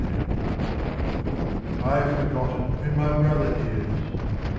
*^ I have forgotten who my brother is.